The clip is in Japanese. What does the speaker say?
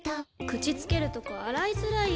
口つけるとこ洗いづらい！